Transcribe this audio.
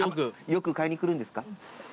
よく買いに来るんですか？